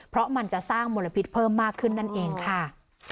เพราะมันจะสร้างมลพิษเพิ่มมากขึ้นนั่นเองค่ะ